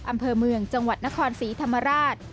อำเภอเมืองจังหวัดนครศรีธรรมราช